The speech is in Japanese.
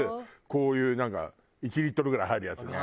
こういうなんか１リットルぐらい入るやつね。